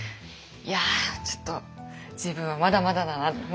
いやちょっと自分はまだまだだな。